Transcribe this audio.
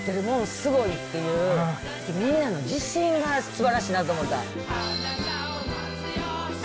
スゴイっていうみんなの自信がすばらしいなと思った。